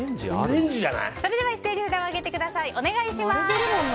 それでは一斉に札を上げてください。